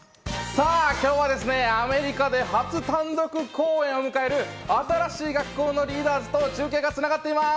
さあ、今日はですね、アメリカで初単独公演を迎える新しい学校のリーダーズと中継が繋がっています。